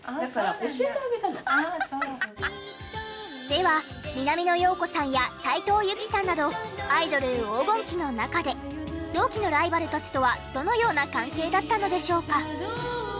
では南野陽子さんや斉藤由貴さんなどアイドル黄金期の中で同期のライバルたちとはどのような関係だったのでしょうか？